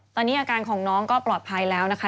ตอนนี้อาการของน้องก็ปลอดภัยแล้วนะคะ